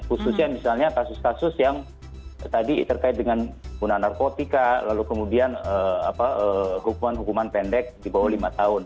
khususnya misalnya kasus kasus yang tadi terkait dengan guna narkotika lalu kemudian hukuman hukuman pendek di bawah lima tahun